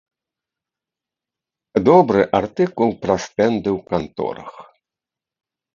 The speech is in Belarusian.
Добры артыкул пра стэнды ў канторах.